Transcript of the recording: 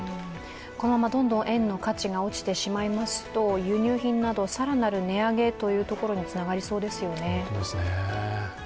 このままどんどん円の価値が落ちてしまいますと輸入品など更なる値上げというところにつながりそうですよね。